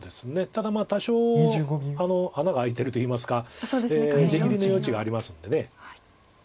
ただ多少穴が開いてるといいますか出切りの余地がありますんで。